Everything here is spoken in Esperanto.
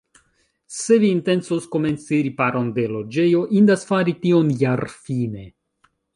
Se vi intencos komenci riparon de loĝejo, indas fari tion jarfine.